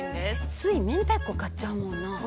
つい明太子、買っちゃうもんな。